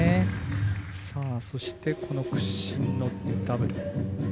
そして、屈身のダブル。